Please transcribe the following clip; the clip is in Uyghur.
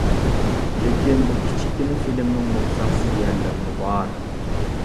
لېكىن بۇ كىچىككىنە فىلىمنىڭ نۇقسانسىز يەرلىرىمۇ بار.